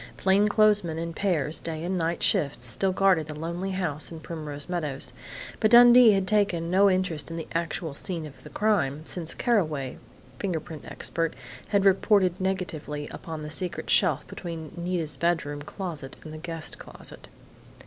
Plainclothesmen, in pairs, day and night shifts, still guarded the lonely house in Primrose Meadows, but Dundee had taken no interest in the actual scene of the crime since Carraway, fingerprint expert, had reported negatively upon the secret shelf between Nita's bedroom closet and the guest closet.